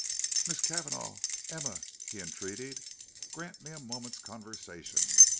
"Miss Cavanagh Emma," he entreated, "grant me a moment's conversation.